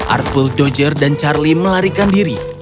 artful doger dan charlie melarikan diri